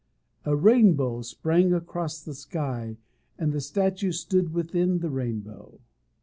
A rainbow sprang across the sky, and the statue stood within the rainbow.